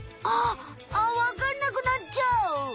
あっわかんなくなっちゃう！